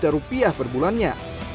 rupiah per bulannya